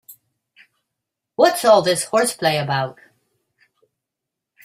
What's all this horseplay about?